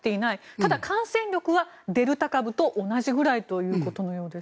ただ、感染力はデルタ株と同じくらいということのようです。